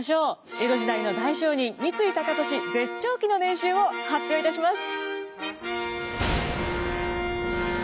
江戸時代の大商人三井高利絶頂期の年収を発表いたします！